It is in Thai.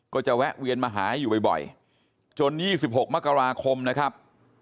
ก็จะแวะเวียนมาหาอยู่บ่อยจน๒๖มกราคมนะครับ